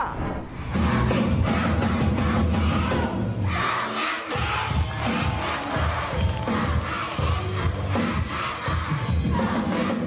เย้